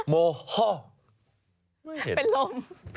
เป็นลม